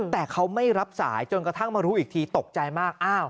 แต่เขาไม่รับสายจนกระทั่งมารู้อีกทีตกใจมาก